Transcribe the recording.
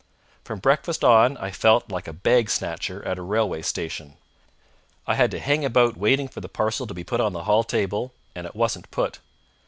From breakfast on I felt like a bag snatcher at a railway station. I had to hang about waiting for the parcel to be put on the hall table, and it wasn't put.